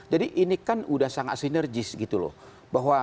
jadi ini kan sudah sangat sinergis gitu loh